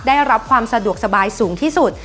ได้รับความสะดวกสบายสูงที่สุด